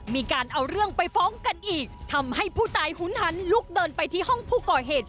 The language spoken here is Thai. มีการเอาเรื่องไปฟ้องกันอีกทำให้ผู้ตายหุนหันลุกเดินไปที่ห้องผู้ก่อเหตุ